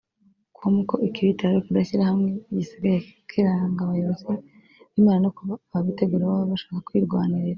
com ko ikibitera ari ukudashyira hamwe gusigaye kuranga abakozi b’Imana no kuba ababitegura baba bashaka kwirwanirira